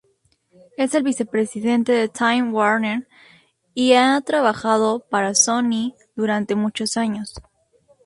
Es el vicepresidente de Time Warner y ha trabajado para Sony durante muchos años.